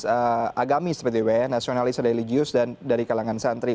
nasionalis agamis seperti wn nasionalis religius dan dari kalangan santri